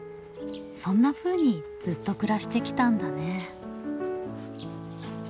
そんなふうにずっと暮らしてきたんだね。